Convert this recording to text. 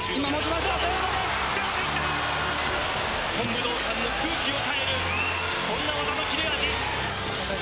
日本武道館の空気を変えるそんな技の切れ味。